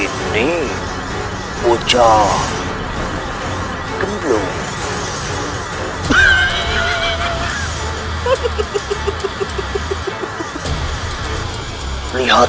tidak ada apa apa